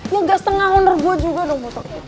ya gak setengah honor gue juga dong butuh kecap